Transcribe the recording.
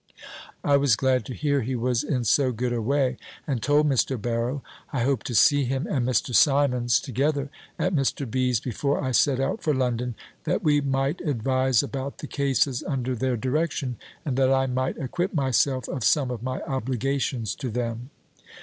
I was glad to hear he was in so good a way, and told Mr. Barrow, I hoped to see him and Mr. Simmonds together at Mr. B.'s, before I set out for London, that we might advise about the cases under their direction, and that I might acquit myself of some of my obligations to them.